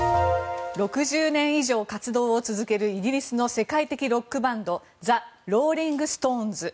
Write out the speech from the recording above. ６０年以上活動を続けるイギリスの世界的ロックバンドザ・ローリング・ストーンズ。